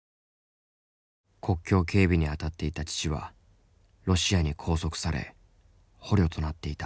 国境警備に当たっていた父はロシアに拘束され捕虜となっていた。